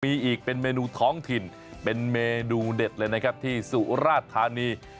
มีอีกเป็นเมนูท้องถิ่นเป็นเมนูเด็ดเลยนะครับที่สุราธานี